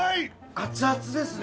熱々ですね！